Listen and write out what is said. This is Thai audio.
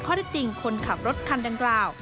ข้อที่จริงคนขับรถคันดังกล่าว